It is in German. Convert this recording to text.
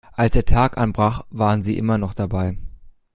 Als der Tag anbrach, waren sie immer noch dabei.